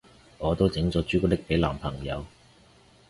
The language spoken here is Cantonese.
我都整咗朱古力俾男朋友